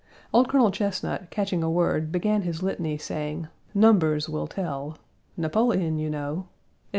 Old Colonel Chesnut, catching a word, began his litany, saying, "Numbers will tell," "Napoleon, you know," etc.